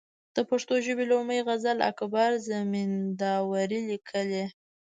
د پښتو ژبي لومړنۍ غزل اکبر زمینداوري ليکلې